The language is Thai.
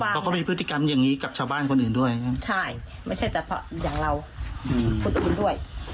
เพราะเขามีพฤติกรรมอย่างนี้กับชาวบ้านคนอื่นด้วยใช่ไม่ใช่แต่อย่างเราพุทธคุณด้วย